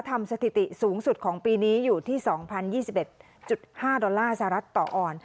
ทำสถิติสูงสุดของปีนี้อยู่ที่สองพันยี่สิบเอ็ดจุดห้าดอลลาร์สารัสต่ออ่อน